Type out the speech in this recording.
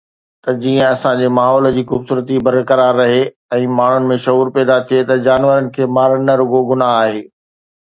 ته جيئن اسان جي ماحول جي خوبصورتي برقرار رهي ۽ ماڻهن ۾ شعور پيدا ٿئي ته جانورن کي مارڻ نه رڳو گناهه آهي.